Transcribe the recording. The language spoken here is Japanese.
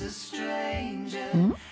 うん？